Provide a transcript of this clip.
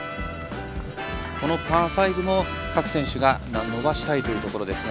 このパー５も各選手が伸ばしたいところですが。